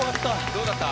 どうだった？